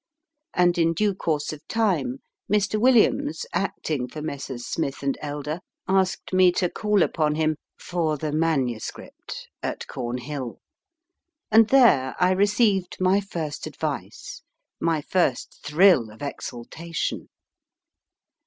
And in due course of time, Mr. Williams, acting for Messrs. Smith & Elder, asked me to call upon him for tJie MS. ! at Cornhill, and there I received my first advice, my first thrill of exultation.